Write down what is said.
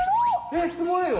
えすごいよ！